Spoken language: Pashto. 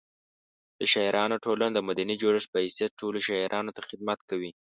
د شاعرانو ټولنه د مدني جوړښت په حیث ټولو شاعرانو ته خدمت کوي.